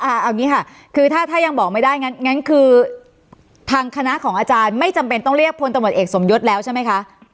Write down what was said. เอาอย่างนี้ค่ะคือถ้าถ้ายังบอกไม่ได้งั้นคือทางคณะของอาจารย์ไม่จำเป็นต้องเรียกพลตำรวจเอกสมยศแล้วใช่ไหมคะ